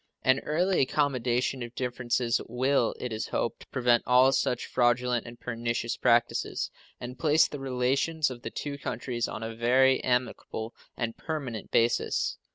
An early accommodation of differences will, it is hoped, prevent all such fraudulent and pernicious practices, and place the relations of the two countries on a very amicable and permanent basis.